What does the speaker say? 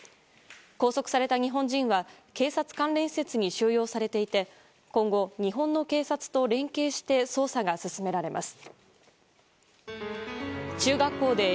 拘束された日本人は警察関連施設に収容されていて今後、日本の警察と連携して捜査が進められます。